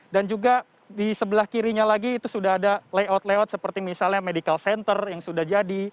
dan juga di sebelah kirinya lagi itu sudah ada layout layout seperti misalnya medical center yang sudah jadi